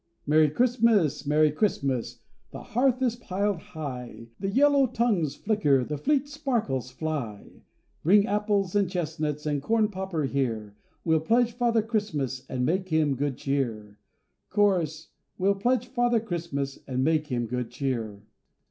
Merry Christmas! Merry Christmas! the hearth is piled high. The yellow tongues flicker, the fleet sparkles fly. Bring apples and chestnuts, And corn popper here! We'll pledge Father Christmas, and make him good cheer! Cho.— We'll pledge Father Christmas, and make him good cheer!